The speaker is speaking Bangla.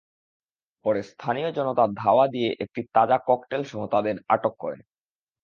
পরে স্থানীয় জনতা ধাওয়া দিয়ে একটি তাজা ককটেলসহ তাঁদের আটক করে।